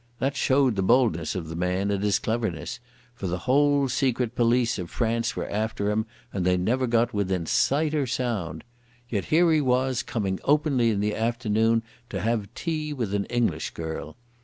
That showed the boldness of the man, and his cleverness, for the whole secret police of France were after him and they never got within sight or sound. Yet here he was coming openly in the afternoon to have tea with an English girl.